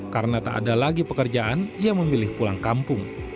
karena tak ada lagi pekerjaan ia memilih pulang kampung